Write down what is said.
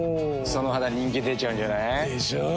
その肌人気出ちゃうんじゃない？でしょう。